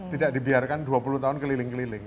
tidak dibiarkan dua puluh tahun keliling keliling